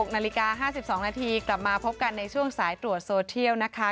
๖นาฬิกา๕๒นาทีกลับมาพบกันในช่วงสายตรวจโซเทียลนะคะ